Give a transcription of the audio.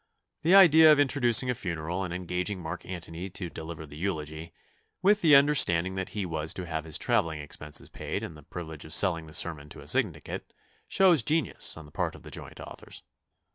The idea of introducing a funeral and engaging Mark Antony to deliver the eulogy, with the understanding that he was to have his traveling expenses paid and the privilege of selling the sermon to a syndicate, shows genius on the part of the joint authors.